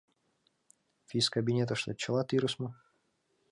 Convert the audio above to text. Физкабинетыштет чыла тӱрыс мо?